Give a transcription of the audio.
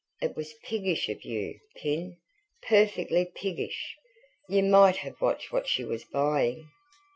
It was piggish of you, Pin, perfectly piggish! You MIGHT have watched what she was buying."